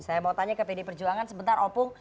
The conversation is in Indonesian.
saya mau tanya ke pd perjuangan sebentar opung